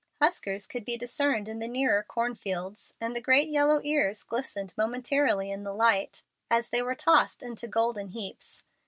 Huskers could be discerned in the nearer cornfields, and the great yellow ears glistened momentarily in the light, as they were tossed into golden heaps.